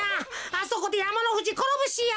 あそこでやまのふじころぶしよ。